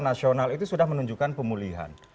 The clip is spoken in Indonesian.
nasional itu sudah menunjukkan pemulihan